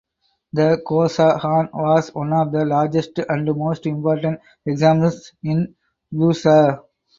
The Koza Han was one of the largest and most important examples in Bursa.